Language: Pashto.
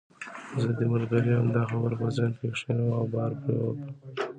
زه دې ملګرې یم، دا خبره په ذهن کې کښېنوه او باور پرې وکړه.